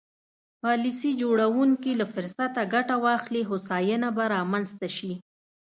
پالیسي جوړوونکي له فرصته ګټه واخلي هوساینه به رامنځته شي.